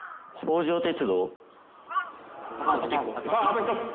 あと１個。